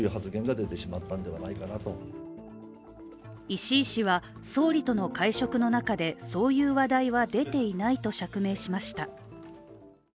石井氏は、総理との会食の中でそういう話題は出ていないと釈明しました。